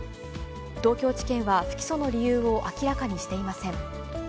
東京地検は不起訴の理由を明らかにしていません。